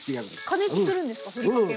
加熱するんですかふりかけを。